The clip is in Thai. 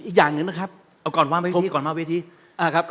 อีกอย่างหนึ่งนะครับ